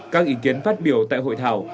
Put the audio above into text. các ý kiến phát biểu tại hội thảo